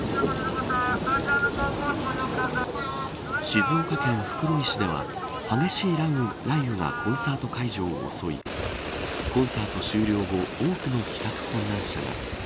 静岡県袋井市では激しい雷雨がコンサート会場を襲いコンサート終了後多くの帰宅困難者が。